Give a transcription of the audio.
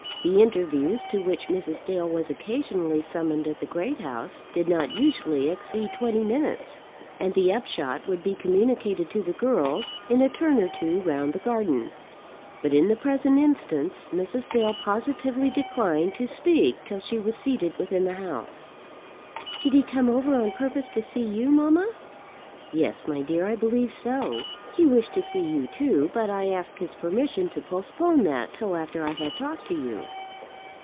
The interviews to which Mrs. Dale was occasionally summoned at the Great House did not usually exceed twenty minutes, and the upshot would be communicated to the girls in a turn or two round the garden; but in the present instance Mrs. Dale positively declined to speak till she was seated within the house. "Did he come over on purpose to see you, mamma?" "Yes, my dear, I believe so. He wished to see you, too; but I asked his permission to postpone that till after I had talked to you."